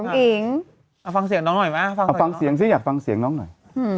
อิ๋งเอาฟังเสียงน้องหน่อยไหมเอาฟังเสียงสิอยากฟังเสียงน้องหน่อย